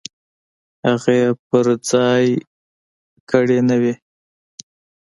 هغه یې پر ځای کړې نه وي.